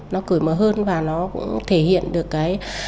nó cởi mở hơn và nó cũng thể hiện được cái